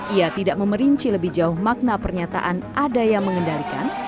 ia tidak memerinci lebih jauh makna pernyataan ada yang mengendalikan